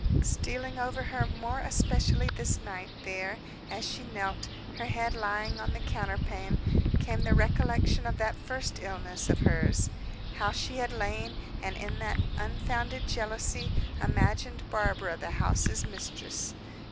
Stealing over her more especially this night, there, as she knelt, her head lying on the counterpane, came the recollection of that first illness of hers. How she had lain, and, in that unfounded jealousy, imagined Barbara the house's mistress.